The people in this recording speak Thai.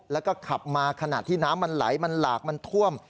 แล้วก็ขับมาขณะที่น้ำมันไหลมันหลากมันท่วม